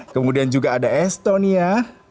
kemudian juga ada estonia